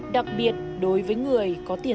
đặc biệt đối với người có tiền